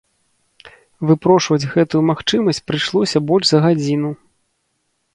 Выпрошваць гэтую магчымасць прыйшлося больш за гадзіну.